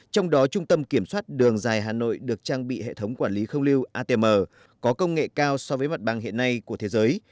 trong đó trung tâm kiểm soát đường dài hà nội được trang bị hệ thống quản lý không lưu atm có công nghệ cao so với mặt bằng hiện nay của thế giới